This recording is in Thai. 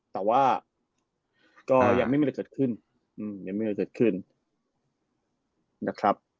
แต่ว่าก็ยังไม่มีอะไรเกิดขึ้นยังไม่มีอะไรเกิดขึ้นนะครับ